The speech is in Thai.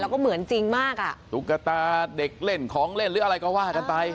แล้วก็เหมือนจริงมากอ่ะตุ๊กตาเด็กเล่นของเล่นหรืออะไรก็ว่ากันไป